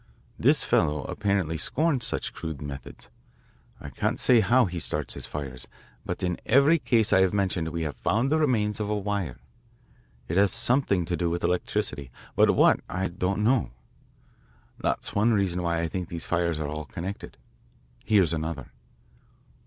This fellow apparently scorns such crude methods. I can't say how he starts his fires, but in every case I have mentioned we have found the remains of a wire. It has something to do with electricity but what, I don't know. That's one reason why I think these fires are all connected. Here's another."